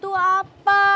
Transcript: tunggu kak kapur